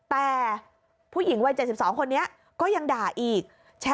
แต่ผู้หญิงวัย๗๒คนนี้ก็ยังด่าอีก